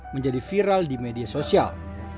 menjadi viral di media sosial